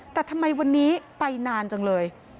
แต่ทำไมวันนี้ไปนานจังเลย